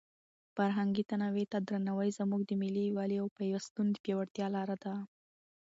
فرهنګي تنوع ته درناوی زموږ د ملي یووالي او پیوستون د پیاوړتیا لاره ده.